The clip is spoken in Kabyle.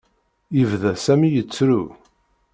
Yebda Sami yettru.